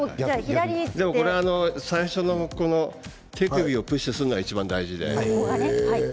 最初の手首をプッシュするのがいちばん大事で。